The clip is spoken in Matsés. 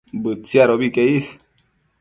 Bëtsiadobi que is